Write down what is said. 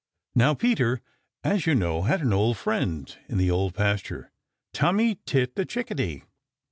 Now Peter, as you know, had an old friend in the Old Pasture, Tommy Tit the Chickadee.